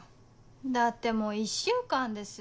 だってもう１週間ですよ。